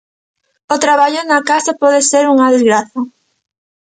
O traballo na casa pode ser unha desgraza.